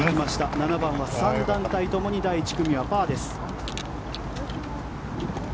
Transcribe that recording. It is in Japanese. ７番は３団体ともに第１組はパーです。